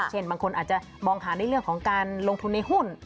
บางคนอาจจะมองหาในเรื่องของการลงทุนในหุ้น